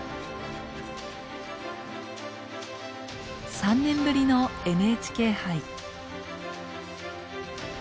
３年ぶりのＮＨＫ杯。